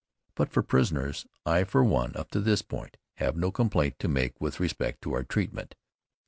But for prisoners, I for one, up to this point, have no complaint to make with respect to our treatment.